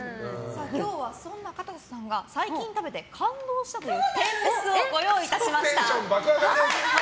今日はそんなかたせさんが最近食べて感動したという天むすをご用意しました。